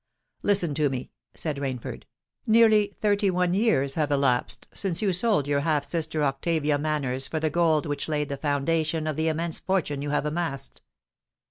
"Listen to me," said Rainford. "Nearly thirty one years have elapsed since you sold your half sister Octavia Manners for the gold which laid the foundation of the immense fortune you have amassed.